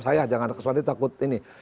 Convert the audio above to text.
saya jangan khawatir takut ini